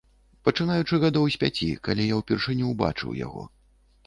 Пачынаючы гадоў з пяці, калі я ўпершыню ўбачыў яго.